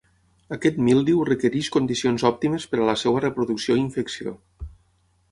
Aquest míldiu requereix condicions òptimes per a la seva reproducció i infecció.